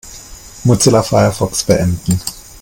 Mozilla Firefox beenden.